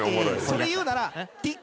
それ言うなら。